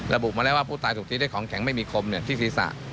ระบุมาแล้วว่าผู้ตายถูกตีด้วยของแข็งไม่มีคมที่ศีรษะ